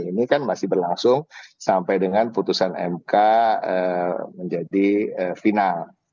ini kan masih berlangsung sampai dengan putusan mk menjadi final